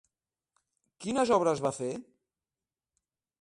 Quines obres va fer?